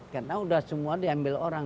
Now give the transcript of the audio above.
karena sudah semua diambil orang